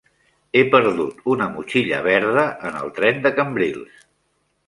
He perdut una motxilla verda en el tren de Cambrils.